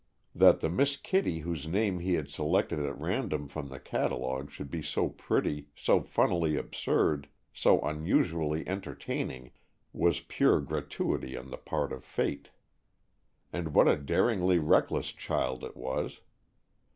That the Miss Kittie whose name he had selected at random from the catalogue should be so pretty, so funnily absurd, so unusually entertaining, was pure gratuity on the part of Fate. And what a daringly reckless child it was!